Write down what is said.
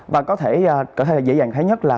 và có thể dễ dàng thấy nhất là